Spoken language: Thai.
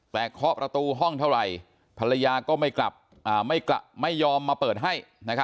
แต่เคาะประตูห้องเท่าไหร่ภรรยาก็ไม่ยอมมาเปิดให้